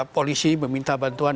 polisi meminta bantuan